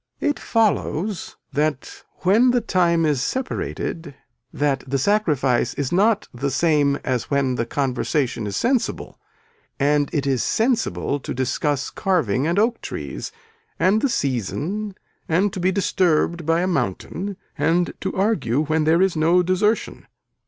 It follows that when the time is separated that the sacrifice is not the same as when the conversation is sensible and it is sensible to discuss carving and oak trees and the season and to be disturbed by a mountain and to argue when there is no desertion.